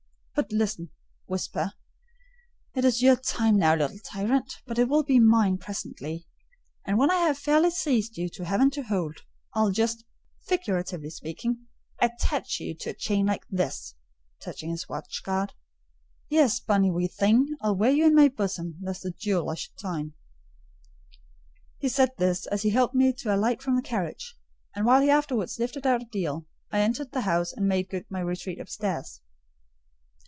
But listen—whisper. It is your time now, little tyrant, but it will be mine presently; and when once I have fairly seized you, to have and to hold, I'll just—figuratively speaking—attach you to a chain like this" (touching his watch guard). "Yes, bonny wee thing, I'll wear you in my bosom, lest my jewel I should tyne." He said this as he helped me to alight from the carriage, and while he afterwards lifted out Adèle, I entered the house, and made good my retreat upstairs.